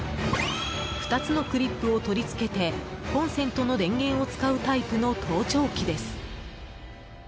２つのクリップを取り付けてコンセントの電源を使うタイプの盗聴器です。